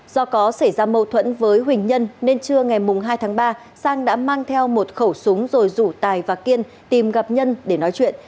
do có xảy ra mâu thuẫn với huỳnh nhân nên trưa ngày hai tháng ba sang đã mang theo một khẩu súng rồi rủ tài và kiên tìm gặp nhân để nói chuyện